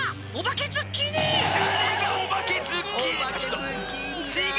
だれがお化けズッキーニだ！